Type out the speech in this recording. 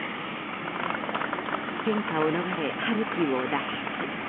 戦禍を逃れ、ハルキウを脱出。